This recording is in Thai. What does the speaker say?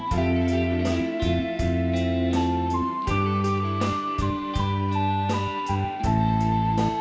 ก็เห็นเธอเปลี่ยนไปส่วนอยากรู้